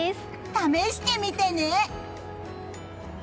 試してみてね！